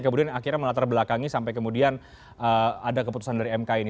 kemudian akhirnya melatar belakangi sampai kemudian ada keputusan dari mk ini